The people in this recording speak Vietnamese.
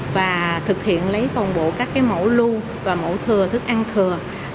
và thực hiện lấy toàn bộ các mẫu lưu và mẫu thừa thức ăn thừa